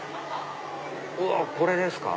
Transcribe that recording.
うわこれですか？